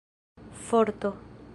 forto